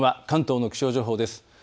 関東の気象情報です。